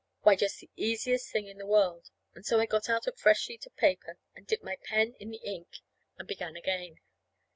Why, just the easiest thing in the world! And so I got out a fresh sheet of paper and dipped my pen in the ink and began again.